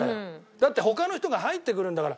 だって他の人が入ってくるんだから。